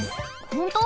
ホント？